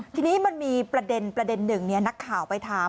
ทีนี้มันมีประเด็นหนึ่งนักข่าวไปถาม